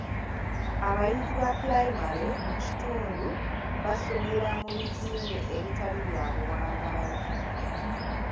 Abayizi ba pulayimale mu kitundu basomera mu bizimbe ebitali bya buwangaazi.